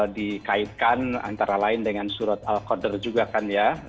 dikaitkan antara lain dengan surat al qadar juga kan ya